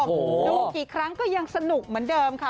ดูกี่ครั้งก็ยังสนุกเหมือนเดิมค่ะ